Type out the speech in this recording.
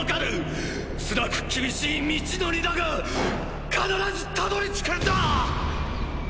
つらく厳しい道のりだが必ずたどりつくんだ！！